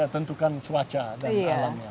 tentukan cuaca dan alamnya